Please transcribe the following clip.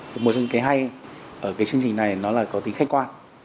thì một trong những cái hay ở cái chương trình này nó là có tính khách quan